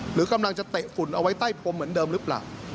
หรือกำลังจะเตะฝุ่นเอาไว้ใต้พรมเหมือนเดิมหรือเปล่า